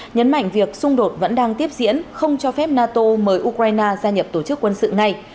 nhấn mạnh việc xung đột vẫn đang tiếp diễn không cho phép nato mời ukraine gia nhập tổ chức quân sự ngay